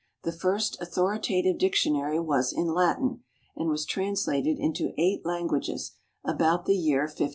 The first authoritative dictionary was in Latin, and was translated into eight languages about the year 1500.